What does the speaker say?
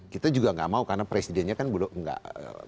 kita juga nggak mau karena presidennya kan bulog nggak